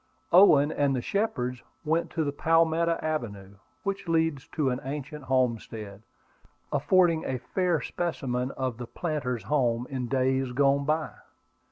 Owen and the Shepards went to the Palmetto Avenue, which leads to an ancient homestead, affording a fair specimen of the planter's home in days gone by.